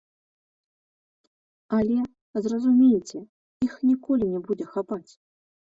Але, зразумейце, іх ніколі не будзе хапаць!